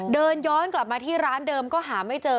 เดินย้อนกลับมาที่ร้านเดิมก็หาไม่เจอ